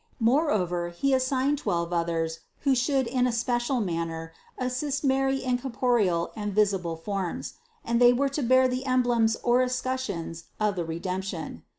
Moreover He assigned twelve others who should in a special manner assist Mary in corporeal and visible forms; and they were to bear the emblems or escutch eons of the Redemption.